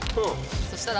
そしたら。